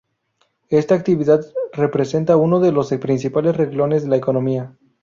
Esta actividad representa uno de los principales renglones de la economía.